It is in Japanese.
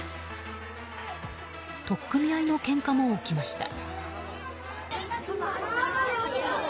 取っ組み合いのけんかも起きました。